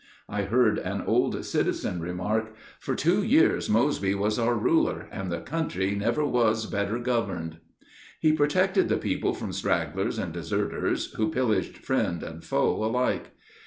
I heard an old citizen remark, "For two years Mosby was our ruler, and the country never was better governed." He protected the people from stragglers and deserters, who pillaged friend and foe alike.